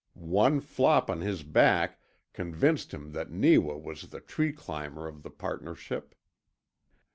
One flop on his back convinced him that Neewa was the tree climber of the partnership.